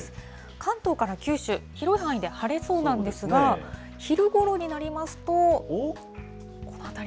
関東から九州、広い範囲で晴れそうなんですが、昼ごろになりますと、この辺り。